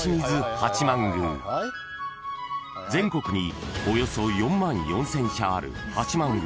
［全国におよそ４万４，０００社ある八幡宮］